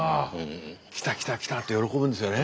来た来た来たって喜ぶんですよね。